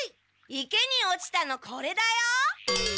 池に落ちたのこれだよ。